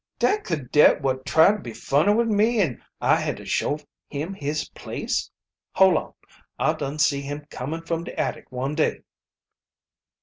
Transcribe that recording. "Dat cadet wot tried to be funny wid me an' I had to show him his place? Hol' on I dun see him comin' from de attic one day."